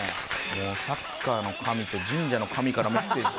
もうサッカーの神と神社の神からメッセージ。